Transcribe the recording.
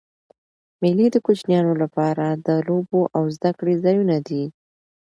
مېلې د کوچنيانو له پاره د لوبو او زدهکړي ځایونه دي.